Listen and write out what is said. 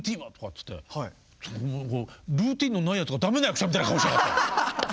ルーティーンのないやつがダメな役者みたいな顔しやがって。